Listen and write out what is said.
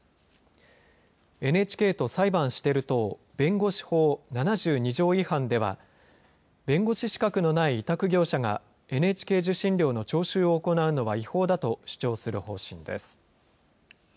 ＮＨＫと裁判してる党弁護士法７２条違反では、弁護士資格のない委託業者がＮＨＫ受信料の徴収を行うのは違法だと主張する方針です。